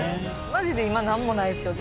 マジで今なんもないですよ